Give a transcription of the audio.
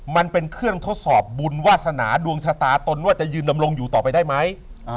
มันเป็นเครื่องทดสอบบุญวาสนาดวงชะตาตนว่าจะยืนดำรงอยู่ต่อไปได้ไหม